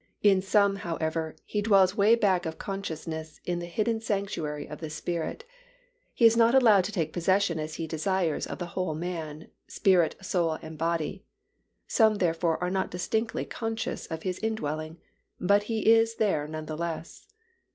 _ In some, however, He dwells way back of consciousness in the hidden sanctuary of their spirit. He is not allowed to take possession as He desires of the whole man, spirit, soul and body. Some therefore are not distinctly conscious of His indwelling, but He is there none the less.